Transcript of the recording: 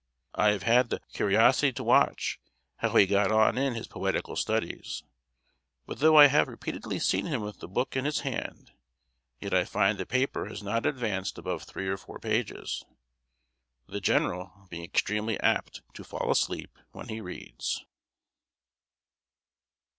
I have had the curiosity to watch how he got on in his poetical studies; but though I have repeatedly seen him with the book in his hand, yet I find the paper has not advanced above three or four pages; the general being extremely apt to fall asleep when he reads.